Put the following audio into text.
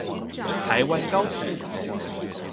台灣高鐵